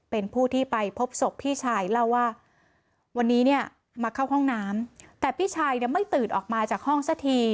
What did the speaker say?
เป็นผู้ที่ไปพบศพพี่ชายเล่าว่าวันนี้เนี่ยมาเข้าห้องน้ำแต่พี่ชายเนี่ยไม่ตื่นออกมาจากห้องสักที